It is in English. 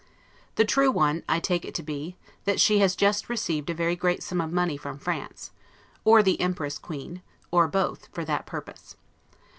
The true one, I take it to be, that she has just received a very great sum of money from France, or the Empress queen, or both, for that purpose.